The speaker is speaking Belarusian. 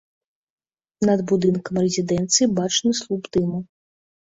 Над будынкам рэзідэнцыі бачны слуп дыму.